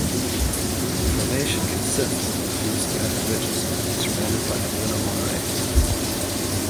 The formation consists of a few scattered ridges surrounded by the lunar mare.